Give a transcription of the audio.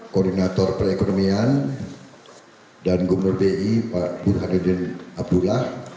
koordinator perekonomian dan gubernur bi pak burhanuddin abdullah